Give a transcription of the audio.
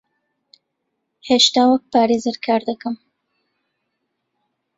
هێشتا وەک پارێزەر کار دەکەم.